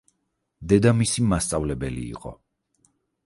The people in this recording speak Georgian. დედამისი მასწავლებელი იყო.